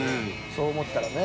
そう思ったらね。